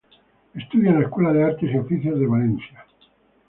Estudia en la Escuela de Artes y Oficios de Valencia.